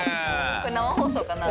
これ生放送かな？